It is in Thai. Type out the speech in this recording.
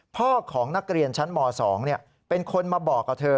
พ่อของนักเรียนชั้นม๒เป็นคนมาบอกกับเธอ